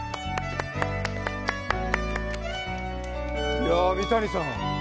いや三谷さん！